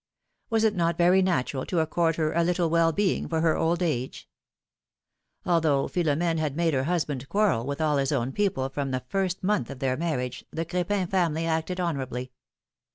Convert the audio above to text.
Was it not very natural to accord her a little well being for her old age? Although Philom^ne had made her husband quarrel with all his own people from the first month of their marriage, the Crepin family acted honorably.